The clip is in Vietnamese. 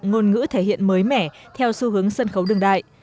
ngôn ngữ thể hiện mới mẻ theo xu hướng sân khấu đường đại